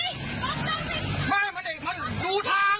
ไข่เขียวไข่แดงปะเปิดกระจกเลยพ่อมันหนักอ่ะพี่